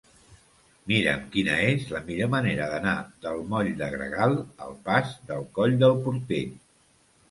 Mira'm quina és la millor manera d'anar del moll de Gregal al pas del Coll del Portell.